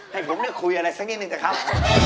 ให้ผมเค้าคุยอะไรักงี้นึงด่ะครับ